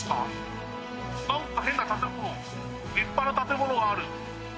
立派な建物がある。